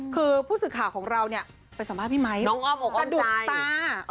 คือผู้ศึกหาของเราเนี่ยไปสัมบัติพี่ไม้สะดุกตา